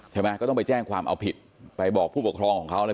ใช่ไหมก็ต้องไปแจ้งความเอาผิดไปบอกผู้ปกครองของเขาเลย